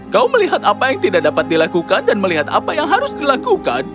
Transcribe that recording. kau melihat apa yang tidak dapat dilakukan dan melihat apa yang harus dilakukan